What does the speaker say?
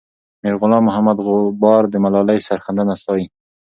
میرغلام محمد غبار د ملالۍ سرښندنه ستايي.